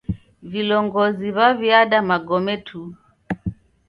Vilongozi w'aw'iada magome tu.